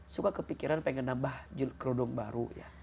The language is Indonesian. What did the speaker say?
suka kepikiran pengen nambah kerudung baru ya